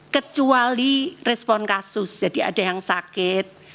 kecuali respon kasus jadi ada yang sakit